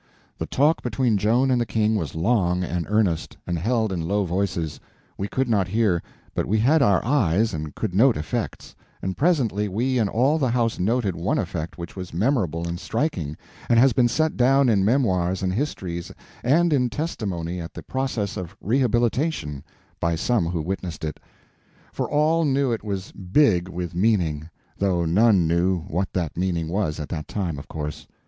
The talk between Joan and the King was long and earnest, and held in low voices. We could not hear, but we had our eyes and could note effects; and presently we and all the house noted one effect which was memorable and striking, and has been set down in memoirs and histories and in testimony at the Process of Rehabilitation by some who witnessed it; for all knew it was big with meaning, though none knew what that meaning was at that time, of course.